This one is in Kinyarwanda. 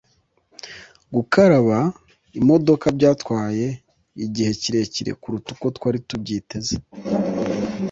Gukaraba imodoka byatwaye igihe kirekire kuruta uko twari tubyiteze